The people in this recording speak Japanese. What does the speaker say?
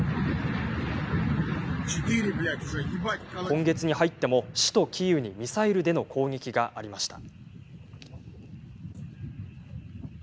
今月に入っても、首都キーウにミサイルでの攻撃がありました。